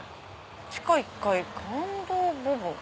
「地下１階感動ボブン」。